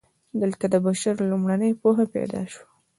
دلته د بشر لومړنۍ پوهه پیدا شوه.